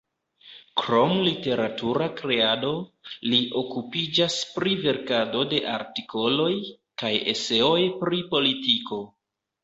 Krom literatura kreado, li okupiĝas pri verkado de artikoloj kaj eseoj pri politiko.